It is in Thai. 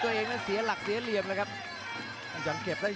ยังทรงเรียงจะซีอื่นเกกได้ของวิลเลียมวิพเปิ้ล